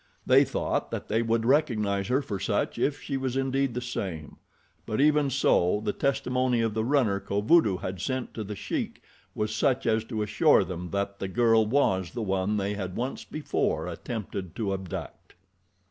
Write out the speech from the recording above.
They thought that they would recognize her for such if she was indeed the same, but even so the testimony of the runner Kovudoo had sent to The Sheik was such as to assure them that the girl was the one they had once before attempted to abduct.